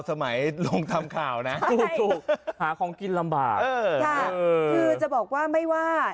สมัยลงทำข่าวนะถูกหาของกินลำบากคือจะบอกว่าไม่ว่า